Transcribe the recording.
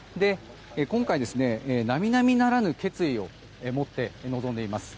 今回、並々ならぬ決意を持って臨んでいます。